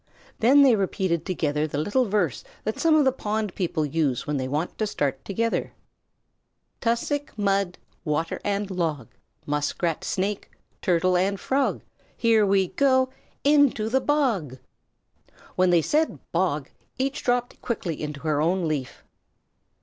Then they repeated together the little verse that some of the pond people use when they want to start together: "Tussock, mud, water, and log, Muskrat, Snake, Turtle, and Frog, Here we go into the bog!" When they said "bog" each dropped quickly into her own leaf.